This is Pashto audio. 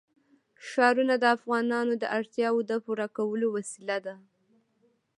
ښارونه د افغانانو د اړتیاوو د پوره کولو وسیله ده.